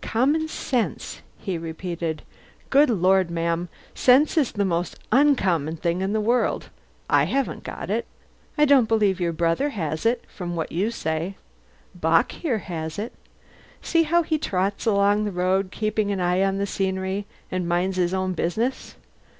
"Common sense?" he repeated. "Good Lord, ma'am, sense is the most uncommon thing in the world. I haven't got it. I don't believe your brother has, from what you say. Bock here has it. See how he trots along the road, keeps an eye on the scenery, and minds his own business.